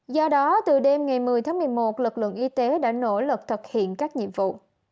do đó từ đêm ngày một mươi tháng một mươi một lực lượng y tế đã nỗ lực thực hiện các nhiệm vụ